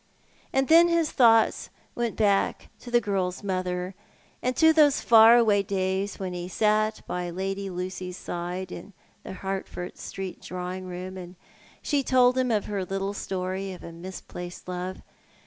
And then his thoughts went back to the girl's mother, and to those far away days when he sat by Lady Lucy's side in the Hertford Street drawing room, and she told him her little story of a misplaced love.